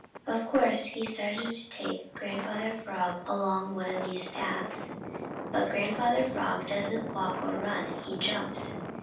Of course he started to take Grandfather Frog along one of these little paths. But Grandfather Frog doesn't walk or run; he jumps.